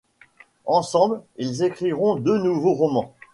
Ensemble, ils écriront deux nouveaux romans.